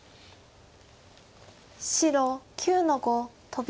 白９の五トビ。